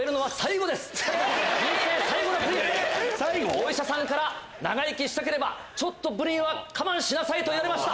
お医者さんから長生きしたければプリンは我慢しなさいと言われました。